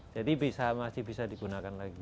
jadi bisa masih bisa digunakan lagi